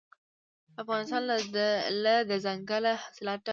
افغانستان له دځنګل حاصلات ډک دی.